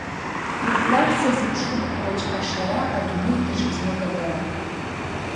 Ихәлар, сазыԥшуп уаҵә ашара, адунеи даҽа знык абара.